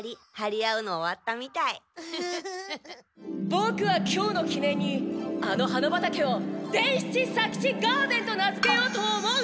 ボクは今日のきねんにあの花畑を伝七・左吉ガーデンと名づけようと思う！